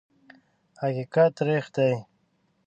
حقیقت تریخ دی .